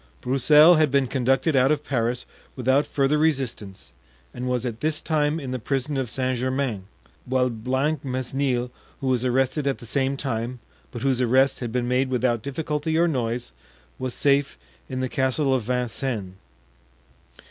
Broussel had been conducted out of Paris without further resistance, and was at this time in the prison of Saint Germain; while Blancmesnil, who was arrested at the same time, but whose arrest had been made without difficulty or noise, was safe in the Castle of Vincennes.